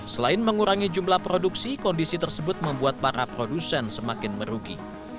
selain mengurangi jumlah produksi kondisi tersebut membuat para produsen semakin merugi